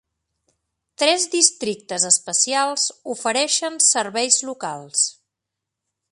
Tres districtes especials ofereixen serveis locals.